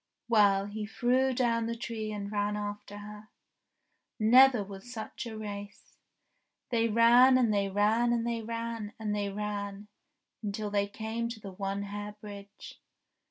Well, he threw down the tree and ran after her. Never was such a race. They ran, and they ran, and they ran, and they ran, until they came to the One Hair Bridge.